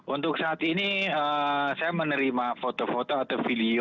untuk saat ini saya menerima foto foto atau video